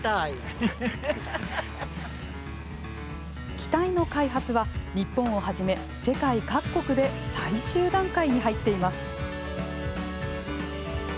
機体の開発は日本をはじめ世界各国で最終段階に入っています。